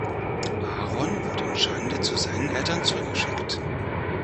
Aaron wird in Schande zu seinen Eltern zurückgeschickt.